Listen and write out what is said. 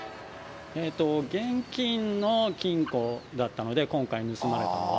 現金の金庫だったので、今回盗まれたのは。